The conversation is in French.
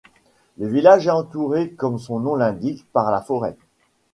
Le village est entouré comme son nom l'indique par la forêt.